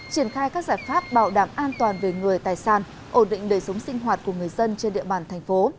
triển khai các giải pháp bảo đảm an toàn về người tài sản ổn định đời sống sinh hoạt của người dân trên địa bàn thành phố